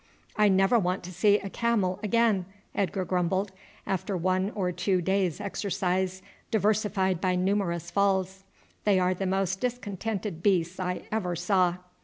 "I never want to see a camel again," Edgar grumbled, after one or two days' exercise diversified by numerous falls; "they are the most discontented beasts I ever saw."